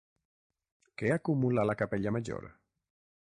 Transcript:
Què acumula la Capella Major?